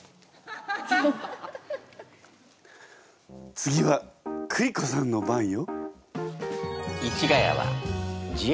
次はクリコさんの番よ。